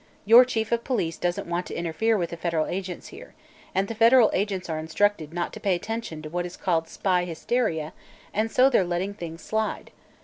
Your chief of police doesn't want to interfere with the federal agents here, and the federal agents are instructed not to pay attention to what is called 'spy hysteria,' and so they're letting things slide.